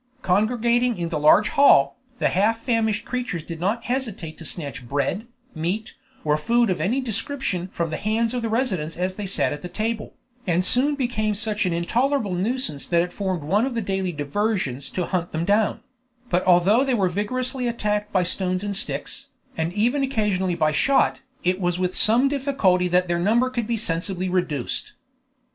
Congregating in the large hall, the half famished creatures did not hesitate to snatch bread, meat, or food of any description from the hands of the residents as they sat at table, and soon became such an intolerable nuisance that it formed one of the daily diversions to hunt them down; but although they were vigorously attacked by stones and sticks, and even occasionally by shot, it was with some difficulty that their number could be sensibly reduced.